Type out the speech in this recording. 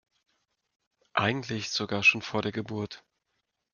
Eigentlich sogar schon vor der Geburt.